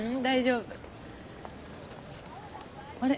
あれ？